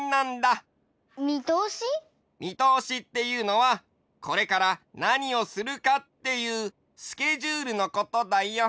みとおしっていうのはこれからなにをするかっていうスケジュールのことだよ。